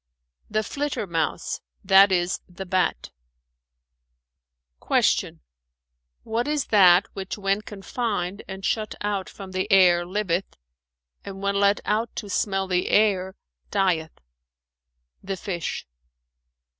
"The flitter mouse,[FN#412] that is the bat." Q "What is that which, when confined and shut out from the air liveth, and when let out to smell the air dieth?" "The fish."